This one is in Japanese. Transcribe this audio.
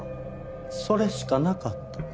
それしかなかった。